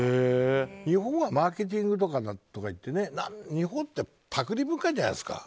日本はマーケティングとか言って日本ってパクリ文化じゃないですか。